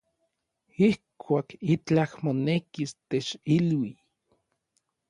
Ijkuak itlaj monekis, techilui.